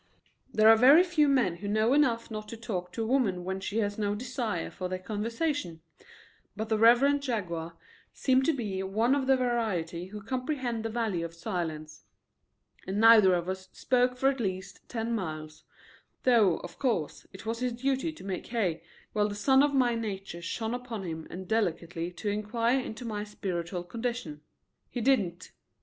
There are very few men who know enough not to talk to a woman when she has no desire for their conversation, but the Reverend Jaguar seemed to be one of the variety who comprehend the value of silences, and neither of us spoke for at least ten miles, though, of course, it was his duty to make hay while the sun of my nature shone upon him and delicately to inquire into my spiritual condition. He didn't.